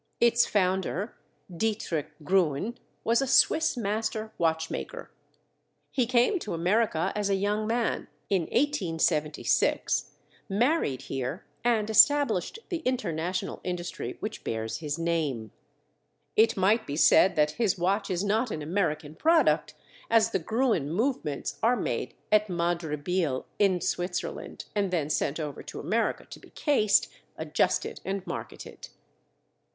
Its founder, Dietrich Gruen, was a Swiss master watchmaker. He came to America, as a young man, in 1876, married here, and established the international industry which bears his name. It might be said that his watch is not an American product, as the Gruen movements are made at Madre Biel, in Switzerland, and then sent over to America to be cased, adjusted, and marketed.